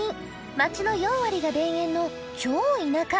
町の４割が田園の超田舎。